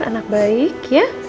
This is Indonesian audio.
anak baik ya